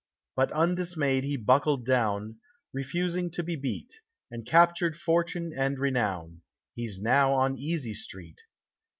But undismayed he buckled down, refusing to be beat, and captured fortune and renown; he's now on Easy Street.